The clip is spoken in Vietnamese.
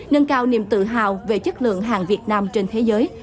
nâng cao niềm tự hào về chất lượng hàng việt nam trên thế giới